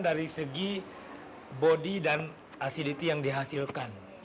dari segi bodi dan acidity yang dihasilkan